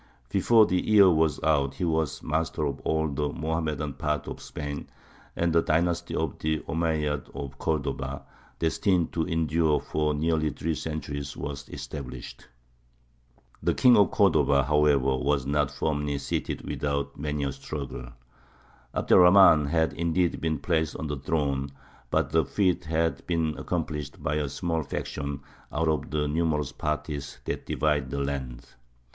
Before the year was out he was master of all the Mohammedan part of Spain, and the dynasty of the Omeyyads of Cordova, destined to endure for nearly three centuries, was established. The King of Cordova, however, was not firmly seated without many a struggle. Abd er Rahmān had indeed been placed on the throne, but the feat had been accomplished by a small faction out of the numerous parties that divided the land.